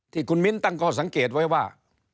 ที่คุณมิ้นตั้งข้อสังเกตไว้ว่า